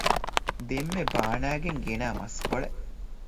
ދެންމެ ބާނައިގެން ގެނައި މަސްކޮޅެއް